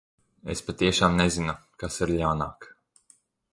Es patiešām nezinu, kas ir ļaunāk.